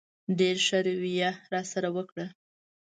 ډېره ښه رویه یې راسره وکړه.